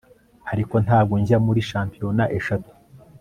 Ariko ntabwo njya muri shampiyona eshatu